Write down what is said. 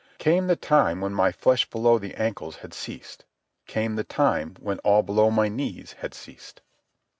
Came the time when my flesh below the ankles had ceased. Came the time when all below my knees had ceased.